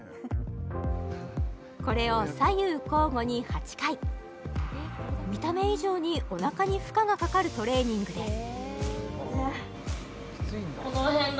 これを左右交互に８回見た目以上におなかに負荷がかかるトレーニングです